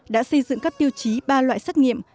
đã xây dựng các tiêu chí ba loại xét nghiệm